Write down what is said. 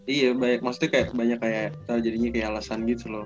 iya banyak maksudnya kayak banyak kayak jadinya kayak alasan gitu loh